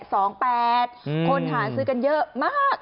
คนหาซื้อกันเยอะมาก